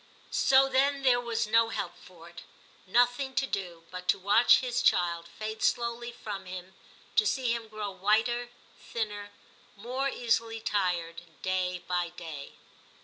So, then, there was no help for it ; nothing to do but to watch his child fade slowly from him, to see him grow whiter, thinner, more easily tired day by day.